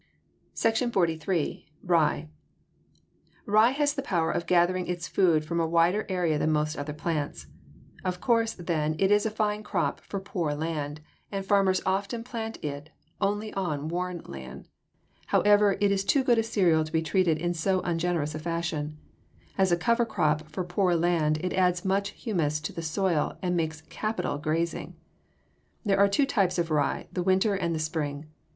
SECTION XLIII. RYE Rye has the power of gathering its food from a wider area than most other plants. Of course, then, it is a fine crop for poor land, and farmers often plant it only on worn land. However, it is too good a cereal to be treated in so ungenerous a fashion. As a cover crop for poor land it adds much humus to the soil and makes capital grazing. [Illustration: FIG. 208. RYE READY FOR CUTTING] There are two types of rye the winter and the spring.